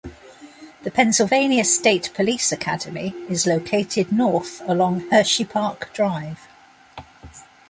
The Pennsylvania State Police Academy is located north along Hersheypark Drive.